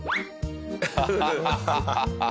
ハハハハッ！